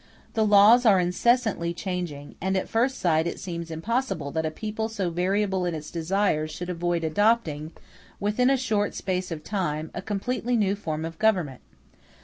The laws are incessantly changing, and at first sight it seems impossible that a people so variable in its desires should avoid adopting, within a short space of time, a completely new form of government.